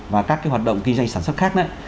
và các hoạt động kinh doanh sản xuất khác